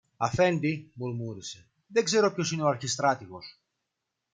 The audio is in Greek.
Αφέντη, μουρμούρισε, δεν ξέρω ποιος είναι ο αρχιστράτηγος.